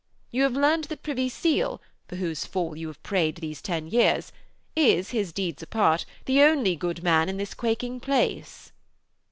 You have learned that Privy Seal, for whose fall you have prayed these ten years, is, his deeds apart, the only good man in this quaking place.'